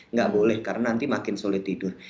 nggak boleh karena nanti makin sulit tidur